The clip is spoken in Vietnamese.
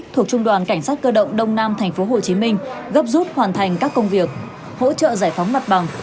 thuộc trung đoàn cảnh sát cơ động đông nam tp hcm gấp rút hoàn thành các công việc hỗ trợ giải phóng mặt bằng